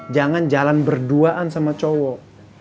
jangan jalan berduaan sama cowok